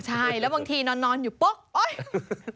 ใช่แล้วบางทีนอนอยู่ปุ๊บโอ๊ย